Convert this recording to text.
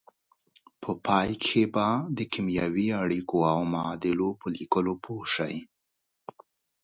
په پای کې به د کیمیاوي اړیکو او معادلو په لیکلو پوه شئ.